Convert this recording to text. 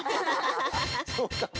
そうだよ。